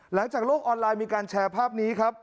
หลังจากโลกออนไลน์มีการแชร์ภาพนี้ครับ